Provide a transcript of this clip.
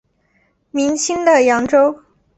明清的扬州。